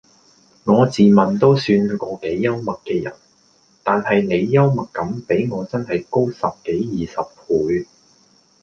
我自問都算個幾幽默既人但係你幽默感比我真係高十幾二十倍